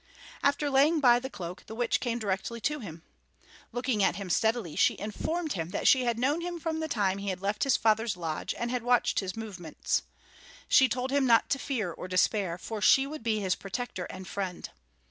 After laying by the cloak, the witch came directly to him. Looking at him steadily, she informed him that she had known him from the time he had left his father's lodge, and had watched his movements. She told him not to fear or despair, for she would be his protector and friend.